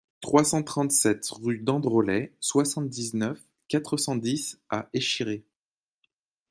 trois cent trente-sept rue d'Androlet, soixante-dix-neuf, quatre cent dix à Échiré